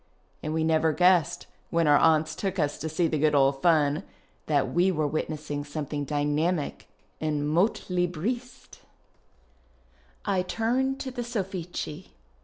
And we never guessed, when our aunts took us to see the good old fun, that we were witnessing something dynamic and motlibriste ! I turn to the Sofhci.